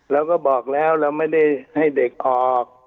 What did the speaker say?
เราก็บอกแล้วเราไม่ได้ให้เด็กออก